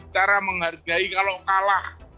cara menghargai kalau kalah